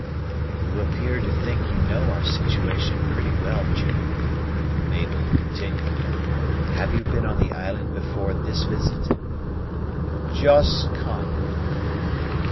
"You appear to think you know our situation pretty well, June," Mabel continued; "have you been on the island before this visit?" "Just come."